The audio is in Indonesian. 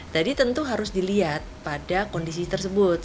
jadi tentu harus dilihat pada kondisi tersebut